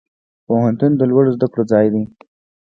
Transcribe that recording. پوهنتون د لوړو زده کړو ځای دی